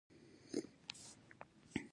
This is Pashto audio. ورته خاین، ورته غدار، وطنفروشه وايي